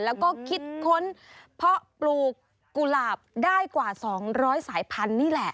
แล้วก็คิดค้นเพราะปลูกกุหลาบได้กว่า๒๐๐สายพันธุ์นี่แหละ